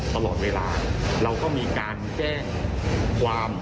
ตลอดเวลาเราก็มีการแจ้งความ